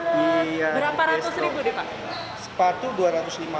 berapa ratus ribu deh pak